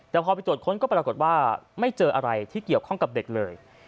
แต่พอไปตรวจค้นก็ปรากฏว่าไม่เจออะไรที่เกี่ยวข้องกับเด็กเลย